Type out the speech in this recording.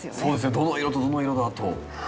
「どの色とどの色だ？」と。